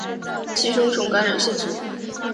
此机制包括感官系统对存在寄生虫感染线索。